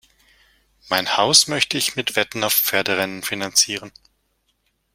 Mein Haus möchte ich mit Wetten auf Pferderennen finanzieren.